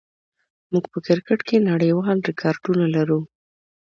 موږ په کرکټ کې نړیوال ریکارډونه لرو.